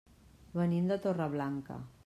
Venim de Torreblanca.